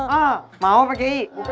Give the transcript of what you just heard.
hah mau pak kiai